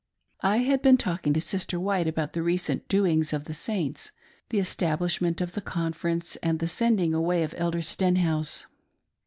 I had been talking to Sister White about the recent doings of the Saints, the establishment of the conference and the sending away of Elder Stenhouse.